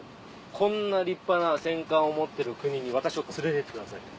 「こんな立派な戦艦を持ってる国に私を連れてってください。